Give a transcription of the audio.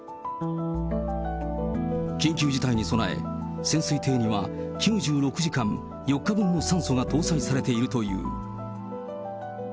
緊急事態に備え、潜水艇には９６時間、４日分の酸素が搭載されているという。